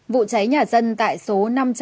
vụ cháy nhà dân tại số năm trăm sáu mươi bảy